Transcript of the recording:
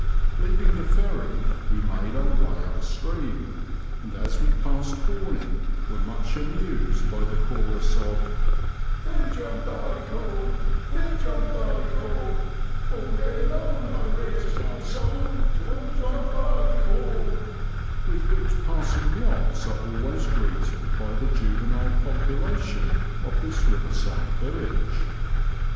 67 Leaving the ferry, we made our way up stream, and as we passed Homing were much amused hj the chorus of — "Ho I John Barleycorn. Ho I John Barleyoorn. All day long I raise my song — John Barleyoorn," with which passing yachts are always greeted by the juvenile population of this riverside village.